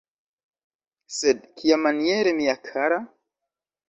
Sed kiamaniere, mia kara?